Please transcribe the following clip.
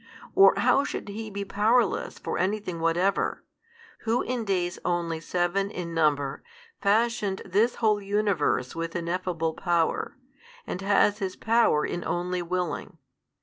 or how should He be powerless for anything whatever, who in days only seven in number, fashioned this whole universe with ineffable Power, and has His Power in only willing?